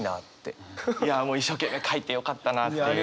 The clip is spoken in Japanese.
いや一生懸命書いてよかったなっていう